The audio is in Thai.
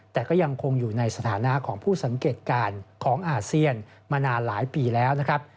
แต่ก็ยังคงอยู่ในสถานะของผู้สังเกตการณ์ของอาเซียนมานานหลายปีแล้วนะครับ